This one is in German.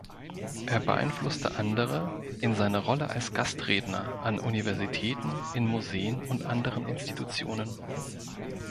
Er beeinflusste andere in seiner Rolle als Gastredner an Universitäten, in Museen und anderen Institutionen.